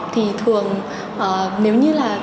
thì thường nếu như là